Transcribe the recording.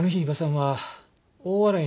はい。